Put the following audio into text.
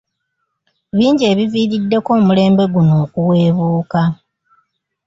Bingi ebiviiriddeko omulembe guno okuweebuuka.